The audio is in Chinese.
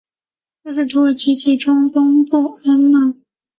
这是土耳其中东部安那托利亚地区的区域统计资料。